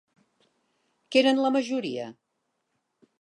Què eren la majoria?